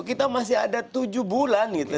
kita masih ada tujuh bulan gitu